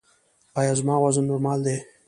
ایا زما وزن نورمال دی؟